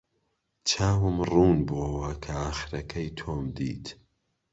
چاوم ڕوون بووەوە کە ئاخرەکەی تۆم دیت.